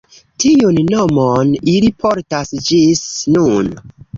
Tiun nomon ili portas ĝis nun.